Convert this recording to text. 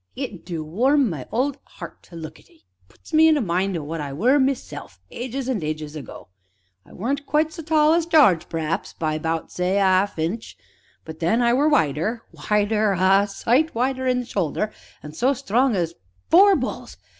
it du warm my old 'eart to look at 'ee. Puts me in mind o' what I were myself ages an' ages ago. I weren't quite so tall as Jarge, p'r'aps, by about say 'alf a inch, but then, I were wider wider, ah! a sight wider in the shoulder, an' so strong as four bulls!